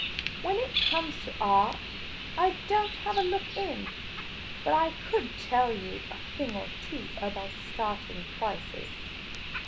When it comes to art, I don't have a look in ; but I could tell you a thing or two about starting prices."